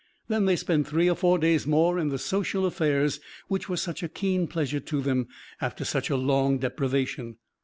Then they spent three or four days more in the social affairs which were such a keen pleasure to them after such a long deprivation.